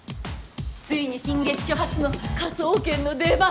ついに新月署初の科捜研の出番！